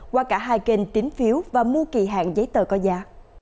qua cả hai kênh tính phiếu và mua kỳ hạn giấy tờ có giá